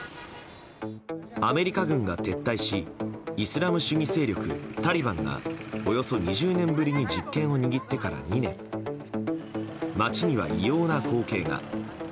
アメリカ軍が撤退しイスラム主義勢力タリバンがおよそ２０年ぶりに実権を握ってから２年街には異様な光景が。